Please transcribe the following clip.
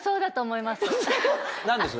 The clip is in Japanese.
何です？